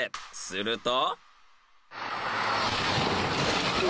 ［すると］